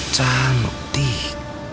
cantik sekali dia